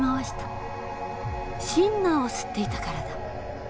シンナーを吸っていたからだ。